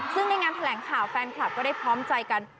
ซึ่งในงานแถลงข่าวแฟนคลับก็ได้พร้อมใจกัน